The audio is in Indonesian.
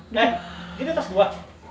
nek gini tas gua